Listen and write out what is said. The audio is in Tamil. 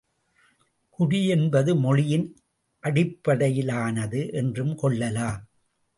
குடி என்பது மொழியின் அடிப்படையிலானது என்றும் கொள்ளலாம்.